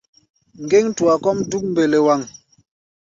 Ŋgéŋ-tua kɔ́ʼm dúk mbelewaŋ.